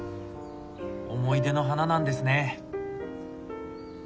思い出の花なんですね。